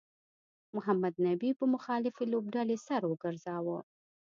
محمد نبي په مخالفې لوبډلې سر وګرځاوه